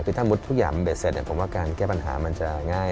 คือถ้ามุติทุกอย่างมันเบ็ดเสร็จผมว่าการแก้ปัญหามันจะง่าย